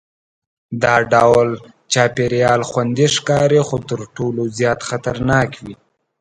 دا ډول چاپېریال خوندي ښکاري خو تر ټولو زیات خطرناک وي.